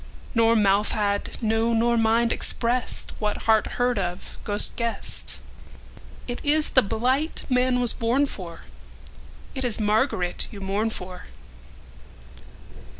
Nor mouth had, no nor mind, expressedWhat heart heard of, ghost guessed:It ís the blight man was born for, It is Margaret you mourn for.